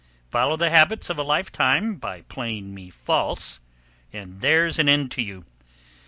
Follow the habits of a lifetime by playing me false and there's an end to you.